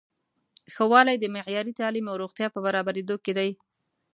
ښه والی د معیاري تعلیم او روغتیا په برابریدو کې دی.